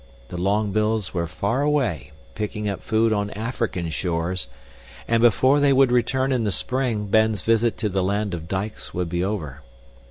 The long bills were far away, picking up food on African shores, and before they would return in the spring, Ben's visit to the land of dikes would be over.